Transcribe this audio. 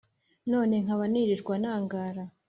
none nkaba nirirwa nangara